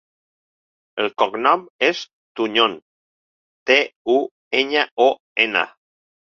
El cognom és Tuñon: te, u, enya, o, ena.